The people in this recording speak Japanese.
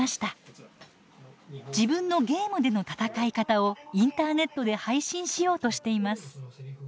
自分のゲームでの戦い方をインターネットで配信しようとしています。